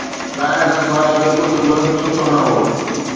ڳائڻ کان سواءِ ٻيو ڪجهه به سٺو نه هو